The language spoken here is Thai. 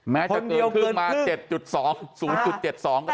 แม้จะเกินครึ่งมา๗๒สูงจุด๗๒ก็ตาม